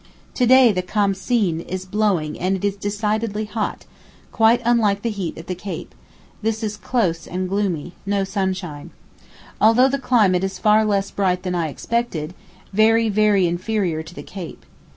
To day the Khamseen is blowing and it is decidedly hot, quite unlike the heat at the Cape; this is close and gloomy, no sunshine. Altogether the climate is far less bright than I expected, very, very inferior to the Cape.